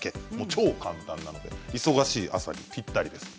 超簡単なので忙しい朝にぴったりです。